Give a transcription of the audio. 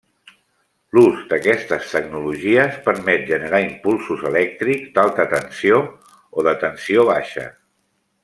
L'ús d'aquestes tecnologies permet generar impulsos elèctrics d'alta tensió o de tensió baixa.